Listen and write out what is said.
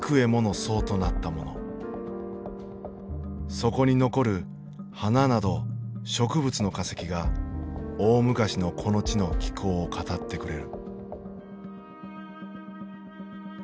そこに残る花など植物の化石が大昔のこの地の気候を語ってくれる。